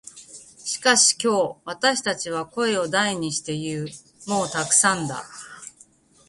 しかし今日、私たちは声を大にして言う。「もうたくさんだ」。